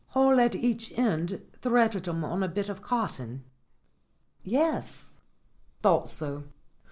"Hole at each end threaded 'em on a bit of cot ton?" "Yes." "Thought so.